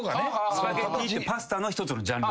スパゲティってパスタの一つのジャンル。